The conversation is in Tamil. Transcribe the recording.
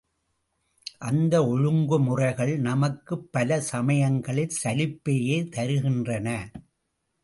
அந்த ஒழுங்கு முறைகள் நமக்குப் பல சமயங்களில் சலிப்பையே தருகின்றன.